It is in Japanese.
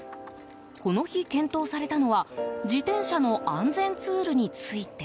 この日、検討されたのは自転車の安全ツールについて。